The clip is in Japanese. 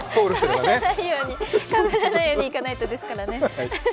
かぶらないように行かないと、ですからね。